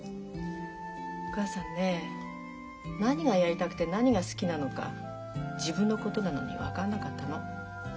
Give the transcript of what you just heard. お母さんね何がやりたくて何が好きなのか自分のことなのに分かんなかったの。